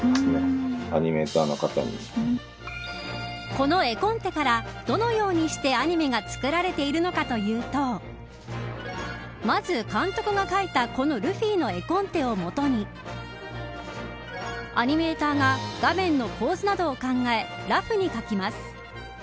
この絵コンテからどのようにしてアニメが作られているのかというとまず監督が描いたこのルフィの絵コンテを元にアニメーターが画面の構図などを考えラフに描きます。